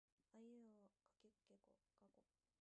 あえいうえおあおかけきくけこかこ